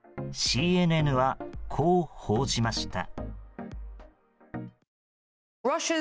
ＣＮＮは、こう報じました。